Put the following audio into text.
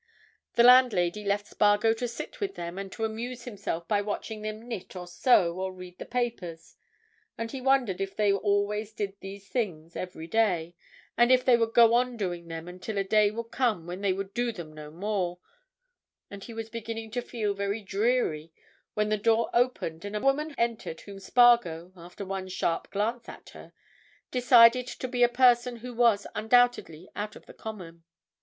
The landlady left Spargo to sit with them and to amuse himself by watching them knit or sew or read the papers, and he wondered if they always did these things every day, and if they would go on doing them until a day would come when they would do them no more, and he was beginning to feel very dreary when the door opened and a woman entered whom Spargo, after one sharp glance at her, decided to be a person who was undoubtedly out of the common.